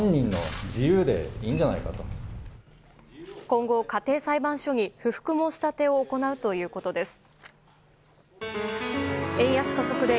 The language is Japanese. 今後、家庭裁判所に不服申し立てを行うということです。